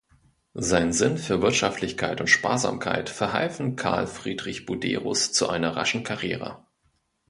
Sein Sinn für Wirtschaftlichkeit und Sparsamkeit verhalfen Carl Friedrich Buderus zu einer raschen Karriere.